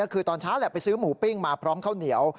คือตอนเช้าแหละไปซื้อหมูปิ้งมาพร้อมข้าวเหนียว